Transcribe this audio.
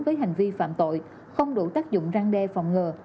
với hành vi phạm tội không đủ tác dụng răng đe phòng ngừa